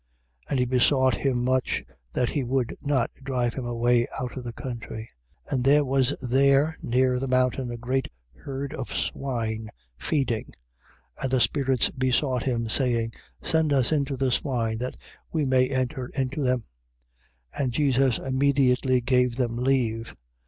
5:10. And he besought him much, that he would not drive him away out of the country. 5:11. And there was there near the mountain a great herd of swine, feeding. 5:12. And the spirits besought him, saying: Send us into the swine, that we may enter into them. 5:13. And Jesus immediately gave them leave.